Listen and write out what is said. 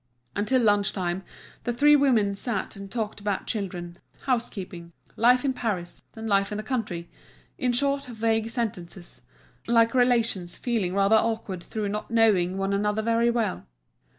Until lunch time the three women sat and talked about children, housekeeping, life in Paris and life in the country, in short, vague sentences, like relations feeling rather awkward through not knowing one another very well.